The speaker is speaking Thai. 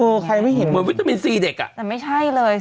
ใครไม่เห็นเหมือนวิตามินซีเด็กอ่ะแต่ไม่ใช่เลย